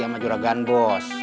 sama juragan bos